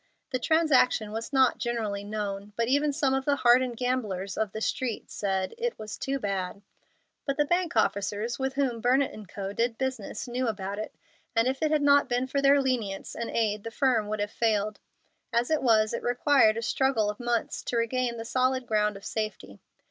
The transaction was not generally known, but even some of the hardened gamblers of the street said "it was too bad." But the bank officers with whom Burnett & Co. did business knew about it, and if it had not been for their lenience and aid the firm would have failed. As it was, it required a struggle of months to regain the solid ground of safety.